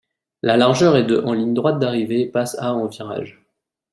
La largeur est de en ligne droite d’arrivée et passe à en virage.